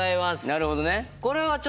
なるほどね。